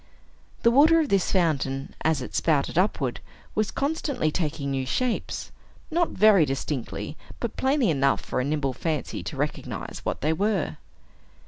The water of this fountain, as it spouted upward, was constantly taking new shapes, not very distinctly, but plainly enough for a nimble fancy to recognize what they were.